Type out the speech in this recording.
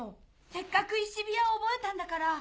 せっかく石火矢を覚えたんだから。